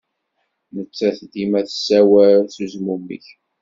Nettat dima tessawal s uzmumeg.